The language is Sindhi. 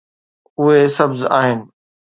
اهي سبز آهن